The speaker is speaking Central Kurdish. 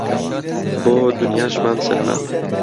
بۆ دونیاشمان سەلماند